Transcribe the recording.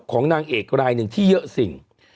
นางเอกรายหนึ่งที่เยอะสิ่ง